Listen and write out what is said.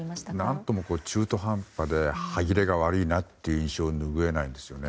何とも、中途半端で歯切れが悪いなという印象をぬぐえないんですよね。